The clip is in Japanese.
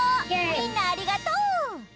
みんなありがとう！